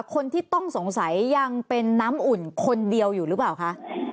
คนที่ต้องสงสัยยังเป็นน้ำอุ่นคนเดียวอยู่หรือเปล่าคะ